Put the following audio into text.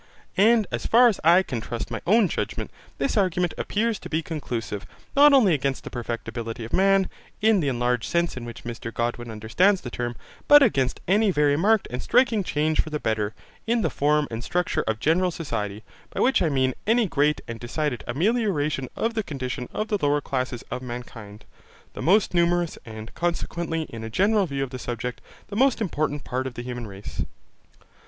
And as far as I can trust my own judgement, this argument appears to be conclusive, not only against the perfectibility of man, in the enlarged sense in which Mr Godwin understands the term, but against any very marked and striking change for the better, in the form and structure of general society; by which I mean any great and decided amelioration of the condition of the lower classes of mankind, the most numerous, and, consequently, in a general view of the subject, the most important part of the human race.